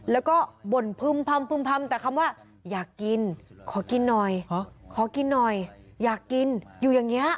แล้วก็บ่นพึ่มพำแต่คำว่าอยากกินขอกินหน่อยขอกินหน่อยอยากกินอยู่อย่างนี้